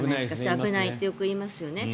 危ないとよく言いますよね。